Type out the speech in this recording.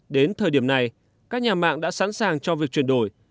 đến thời điểm này các nhà mạng đã sẵn sàng cho việc chuyển đổi